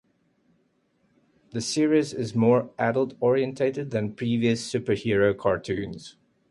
The series is more adult-oriented than previous superhero cartoons.